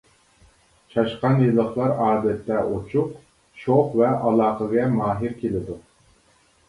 چاشقان يىللىقلار ئادەتتە ئوچۇق، شوخ ۋە ئالاقىگە ماھىر كېلىدۇ.